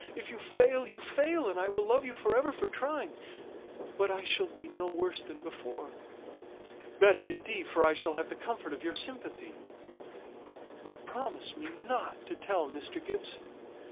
If you fail, you fail, and I will love you for ever for trying; but I shall be no worse off than before. Better, indeed; for I shall have the comfort of your sympathy. But promise me not to tell Mr. Gibson."